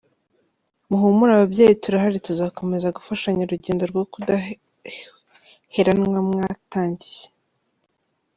Muhumure ababyeyi turahari, tuzakomeza gufashanya urugendo rwo kudaherwanwa mwatangiye”.